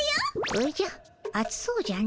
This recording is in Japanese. おじゃあつそうじゃの。